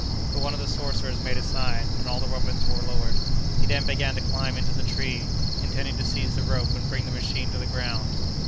But one of the sorcerers made a sign, and all the weapons were lowered. He then began to climb into the tree, intending to seize the rope and bring the machine to the ground.